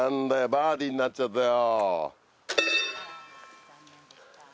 バーディーになっちゃったよ。